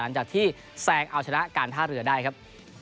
หลังจากที่แซงเอาชนะการท่าเรือได้ครับ